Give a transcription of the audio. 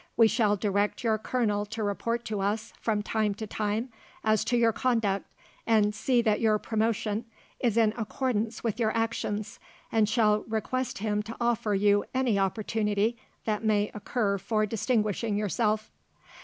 We shall direct your colonel to report to us, from time to time, as to your conduct, and shall see that your promotion is in accordance with your actions, and shall request him to offer you any opportunity that may occur for distinguishing yourself."